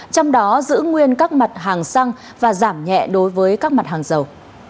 trong đó giữ nguyên các mặt hàng xăng và giảm nhẹ đối với các mặt hàng dầu